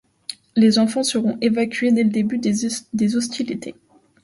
Les enfants seront évacués dès le début des hostilités.